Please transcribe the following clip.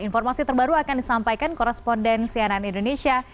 informasi terbaru akan disampaikan koresponden cnn indonesia